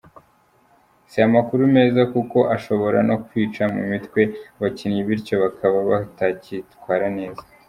Si amakuru meza kuko ashobora no kwica mu muitwe abakinnyi bityo bakaba batakitwara neza.